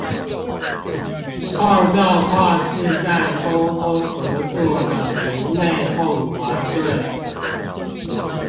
創造跨世代溝通合作的零內鬨團隊